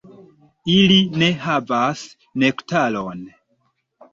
Ili ne havas nektaron.